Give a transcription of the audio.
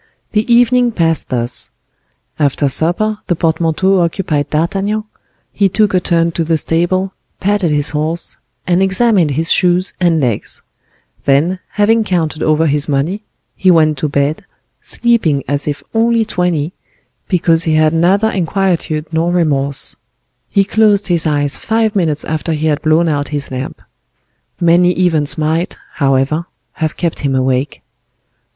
The evening passed thus. After supper the portmanteau occupied D'Artagnan, he took a turn to the stable, patted his horse, and examined his shoes and legs; then, having counted over his money, he went to bed, sleeping as if only twenty, because he had neither inquietude nor remorse; he closed his eyes five minutes after he had blown out his lamp. Many events might, however, have kept him awake.